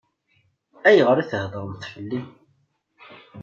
Ayɣer i theddṛem fell-i?